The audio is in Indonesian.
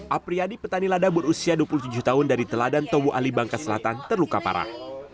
apriyadi petani lada berusia dua puluh tujuh tahun dari teladan towu ali bangka selatan terluka parah